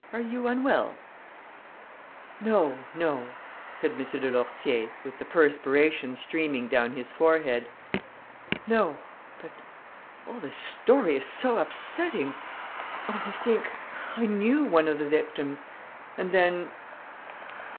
Are you unwell?" "No, no," said M. de Lourtier, with the perspiration streaming down his forehead. "No ... but all this story is so upsetting! Only think, I knew one of the victims! And then...."